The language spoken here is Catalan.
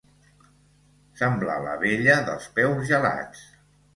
Semblar la vella dels peus gelats.